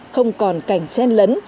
không còn cảnh chen lấn